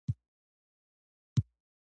کولمې له خوړو څخه ګټور مواد جذبوي